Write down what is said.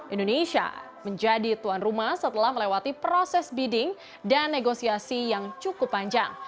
indonesia menjadi tuan rumah setelah melewati proses bidding dan negosiasi yang cukup panjang